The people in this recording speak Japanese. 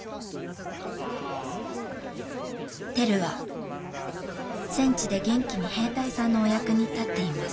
テルは戦地で元気に兵隊さんのお役に立っています。